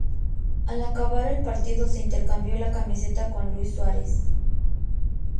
Al acabar el partido se intercambió la camiseta con Luis Suárez.